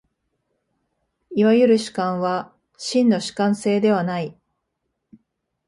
いわゆる主観は真の主観性ではない。